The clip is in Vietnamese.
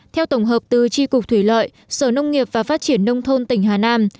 theo tổng hợp từ tri cục thủy lợi sở nông nghiệp và phát triển nông thôn tỉnh hà nam